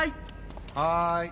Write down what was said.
はい。